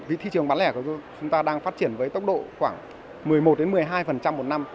vì thị trường bán lẻ của chúng ta đang phát triển với tốc độ khoảng một mươi một một mươi hai một năm